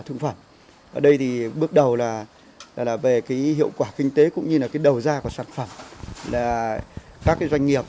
thương phẩm ở đây thì bước đầu là về hiệu quả kinh tế cũng như là đầu gia của sản phẩm các doanh nghiệp